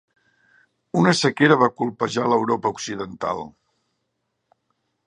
Una sequera va colpejar l'Europa occidental.